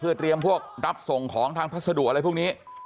เพื่อเตรียมพวกรับส่งของทางพัสดุอะไรพวกนี้